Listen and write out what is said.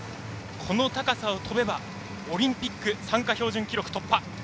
この高さを跳べばオリンピック参加標準記録を突破。